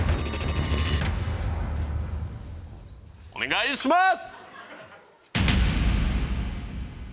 お願いします！